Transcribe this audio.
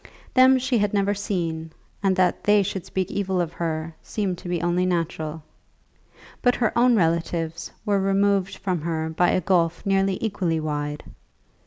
Them she had never seen, and that they should speak evil of her seemed to be only natural. But her own relatives were removed from her by a gulf nearly equally wide.